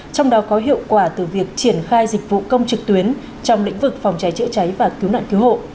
trong đó có hiệu quả từ việc triển khai dịch vụ công trực tuyến trong lĩnh vực phòng cháy chữa cháy và cứu nạn cứu hộ